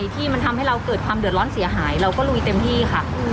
ที่มันทำให้เราเกิดความเดือดร้อนเสียหายเราก็ลุยเต็มที่ค่ะ